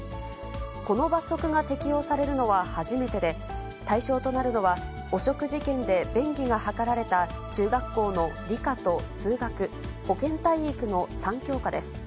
この罰則が適用されるのは初めてで、対象となるのは、汚職事件で便宜が図られた中学校の理科と数学、保健体育の３教科です。